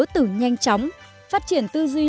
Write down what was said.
từ nhanh chóng phát triển tư duy